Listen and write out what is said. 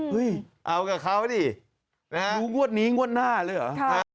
เอากับเขาดิดูงวดนี้งวดหน้าเลยเหรอ